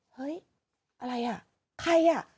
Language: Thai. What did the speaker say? เฮ้ยอะไรอ่ะใครอ่ะ